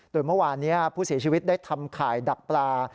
โดยเมื่อวานนี้ผู้เสียชีวิตได้ทำข่ายดักปลา